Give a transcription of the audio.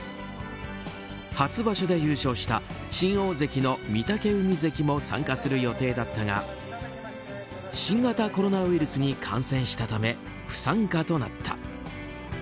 初場所で優勝した新大関の御嶽海関も参加する予定だったが新型コロナウイルスに感染したため不参加となった。